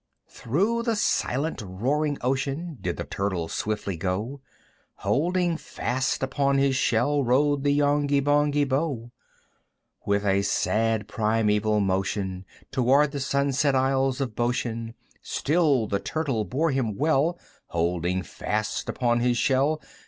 IX. Through the silent roaring ocean Did the Turtle swiftly go; Holding fast upon his shell Rode the Yonghy Bonghy Bò, With a sad primæval motion Towards the sunset isles of Boshen Still the Turtle bore him well, Holding fast upon his shell.